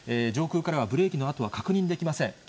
上空からはブレーキの跡は確認できません。